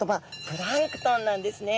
プランクトンなんですね。